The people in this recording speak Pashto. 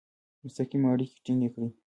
مستقیم اړیکي ټینګ کړي.